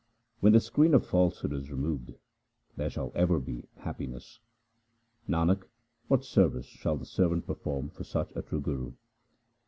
When the screen of falsehood is removed, there shall ever be happiness. Nanak, what service shall the servant perform for such a true Guru ?